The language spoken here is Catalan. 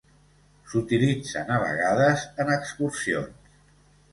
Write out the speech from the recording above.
S'utilitzen a vegades en excursions.